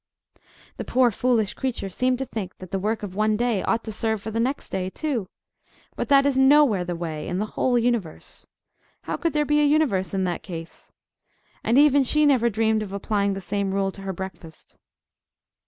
The poor foolish creature seemed to think that the work of one day ought to serve for the next day too! But that is nowhere the way in the whole universe. How could there be a universe in that case? And even she never dreamed of applying the same rule to her breakfast.